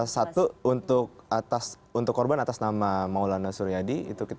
satu untuk korban atas nama maulana suryadi